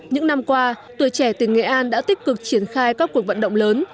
những năm qua tuổi trẻ tỉnh nghệ an đã tích cực triển khai các cuộc vận động lớn